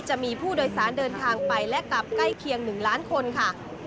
จะมีผู้โดยสารเดินทางไปและกลับใกล้เคียง๑ล้านคนค่ะ